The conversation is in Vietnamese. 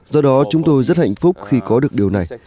do đó chúng tôi rất hạnh phúc khi có được điều này